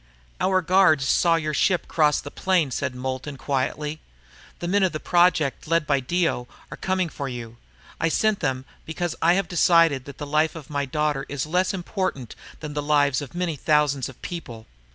"Our guards saw your ship cross the plain," said Moulton quietly. "The men of the Project, led by Dio, are coming for you. I sent them, because I have decided that the life of my daughter is less important than the lives of many thousands of people.